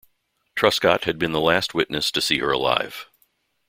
Truscott had been the last witness to see her alive.